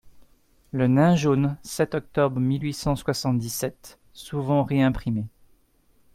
LE NAIN JAUNE, sept octobre mille huit cent soixante-dix-sept, souvent réimprimé.